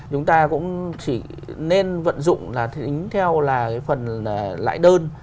chúng ta cũng chỉ nên vận dụng là tính theo là cái phần lãi đơn